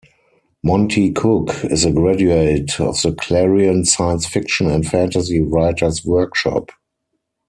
Monte Cook is a graduate of the Clarion Science Fiction and Fantasy Writer's Workshop.